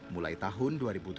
mulai tahun dua ribu tujuh belas